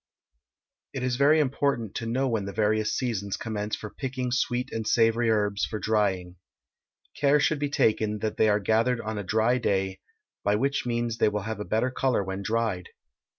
It is very important to know when the various seasons commence for picking sweet and savory herbs for drying. Care should be taken that they are gathered on a dry day, by which means they will have a better color when dried.